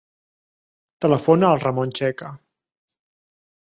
Telefona al Ramon Checa.